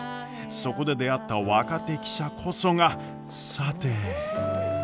そこで出会った若手記者こそがさて。